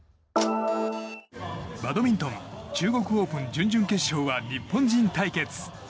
バドミントン中国オープン準々決勝は日本人対決。